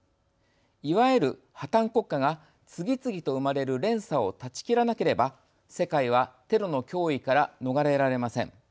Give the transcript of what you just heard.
いわゆる破綻国家が次々と生まれる連鎖を断ち切らなければ世界はテロの脅威から逃れられません。